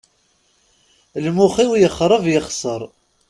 Imuxx-iw yexreb yexseṛ.